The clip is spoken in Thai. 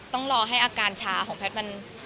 ต้องรอให้อาการชาของแพทย์มัน